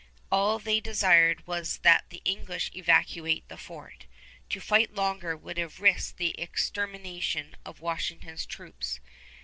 All they desired was that the English evacuate the fort. To fight longer would have risked the extermination of Washington's troops.